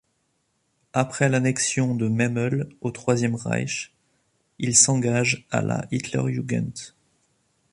Après l'annexion de Memel au Troisième Reich il s'engage à la Hitlerjugend.